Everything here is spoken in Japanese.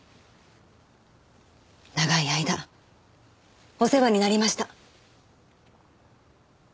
長い間お世話になりました。